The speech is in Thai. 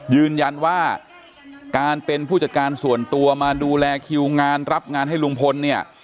ยืนยันว่าการเป็นผู้จัดการส่วนตัวมาดูแลคิวงานรับงานให้ลุงพลเนี่ย